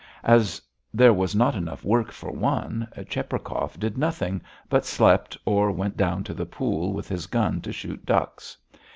As there was not enough work for one, Cheprakov did nothing, but slept or went down to the pool with his gun to shoot ducks.